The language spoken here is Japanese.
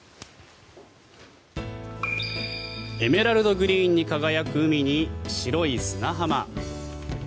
エメラルドグリーンに輝く海に白い砂浜。